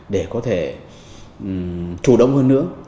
để có thể chủ động hơn nữa